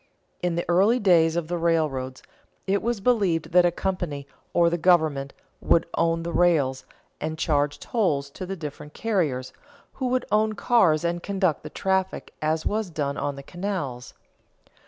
In the early days of the railroads it was believed that a company or the government would own the rails and charge toll to the different carriers, who would own cars and conduct the traffic as was done on the canals.